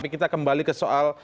kita kembali ke soal